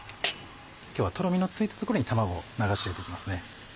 今日はトロミのついたところに卵を流し入れて行きますね。